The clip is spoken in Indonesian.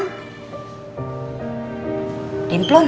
tidak ada yang mau bilang